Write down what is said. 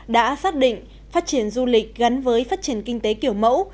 đã xác định phát triển du lịch gắn với phát triển kinh tế kiểu mẫu